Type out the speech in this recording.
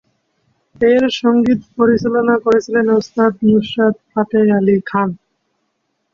এর সংগীত পরিচালনা করেছিলেন ওস্তাদ নুসরাত ফাতেহ আলী খান।